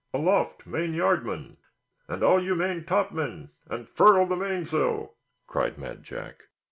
"Aloft, main yard men! and all you main top men! and furl the mainsail!" cried Mad Jack.